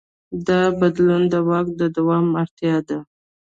دا بدلون د واک د دوام اړتیا ده.